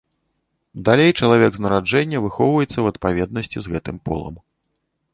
Далей чалавек з нараджэння выхоўваецца ў адпаведнасці з гэтым полам.